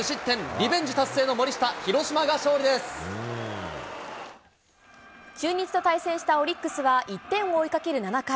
リベンジ達成の森下、広島が勝利中日と対戦したオリックスは、１点を追いかける７回。